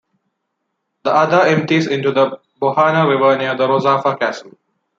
The other empties into the Bojana River near the Rozafa Castle.